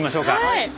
はい！